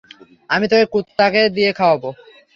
আমি তোকে কুত্তারে দিয়ে খাওয়াবো।